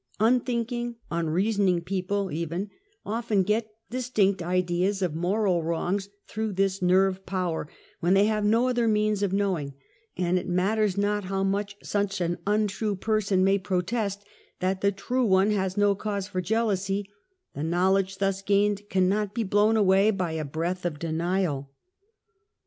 Unthinking, unreasoning people even, often get distinct ideas of i moral wn^ongs through this nerve power, wdien they have no other means of knowing, and it matters not how much such an untrue person may protest that the true one has no cause for jealousy, the knowledge thus gained cannot be blown away by a breath of denial.